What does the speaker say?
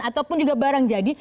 ataupun juga barang jadi